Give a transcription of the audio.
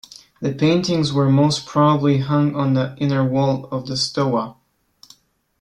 The paintings were most probably hung on the inner wall of the stoa.